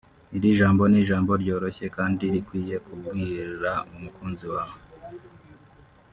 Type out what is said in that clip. Iri jambo ni ijambo ryoroshye kandi rikwiye kubwira umukunzi wawe